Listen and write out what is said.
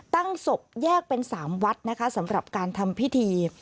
ตั้งศพแยกเป็น๓วัดนะคะสำหรับการทำพิธี